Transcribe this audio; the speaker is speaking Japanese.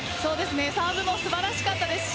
サーブも素晴らしかったですし